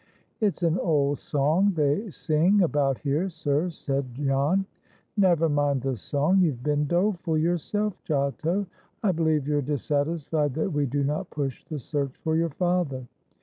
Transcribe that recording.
"It's an old song they sing about here, sir," said Jan. "Never mind the song, you've been doleful yourself, Giotto! I believe you're dissatisfied that we do not push the search for your father.